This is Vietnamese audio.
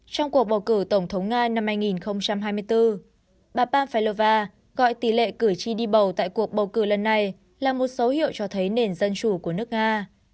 trong cuộc bầu cử tổng thống nga năm hai nghìn hai mươi bốn bà panelva gọi tỷ lệ cử tri đi bầu tại cuộc bầu cử lần này là một số hiệu cho thấy nền dân chủ của nước nga